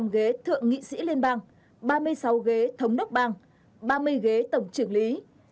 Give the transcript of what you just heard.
năm ghế thượng nghị sĩ liên bang ba mươi sáu ghế thống đốc bang ba mươi ghế tổng trưởng lý